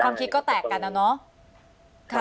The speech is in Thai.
ความคิดก็แตกกันนะเนาะ